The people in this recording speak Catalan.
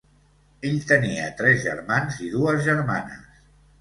Ell tenia tres germans i dues germanes.